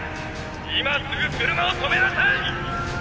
今すぐ車を止めなさい！